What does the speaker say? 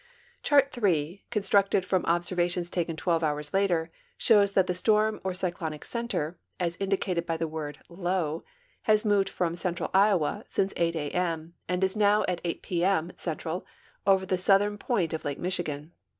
Chart III, constructed from observations taken 12 hours later, shows that the storm or cyclonic center, as indicated by the word " low," has moved from central Iowa since 8 a. m. and is now. at 8 p . m., central over the southern point of Lake Michigan.